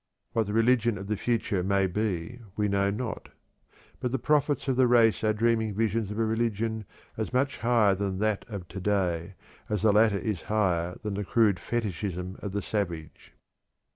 What the religion of the future may be, we know not. But the prophets of the race are dreaming visions of a religion as much higher than that of to day as the latter is higher than the crude fetichism of the savage.